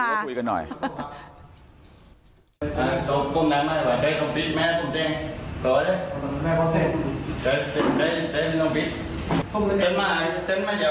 ได้ครับ